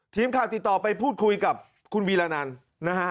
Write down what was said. ทีมข่าวติดต่อไปพูดคุยกับคุณวีรนันนะฮะ